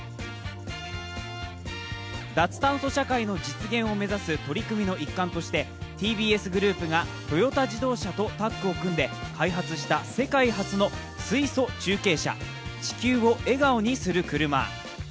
脱炭素社会の実現を目指す取り組みの一環としてＴＢＳグループがトヨタ自動車とタッグを組んで開発した世界初の水素中継車、地球を笑顔にする車。